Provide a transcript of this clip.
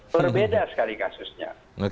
berbeda sekali kasusnya